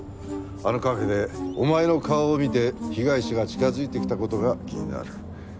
あのカフェでお前の顔を見て被害者が近づいてきた事が気になる。